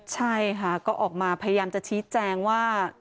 ใช่ค่ะก็ออกมาพยายามจะชี้แจงว่า